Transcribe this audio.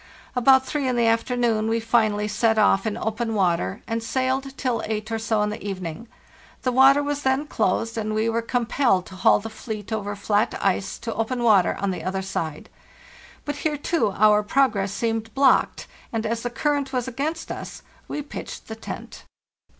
"About three in the afternoon we finally set off in open water and sailed till eight or so in the evening; the water was then closed, and we were compelled to haul the fleet over flat ice to open water on the other side. But here, too, our progress seemed blocked, and as the current was against us we pitched the tent."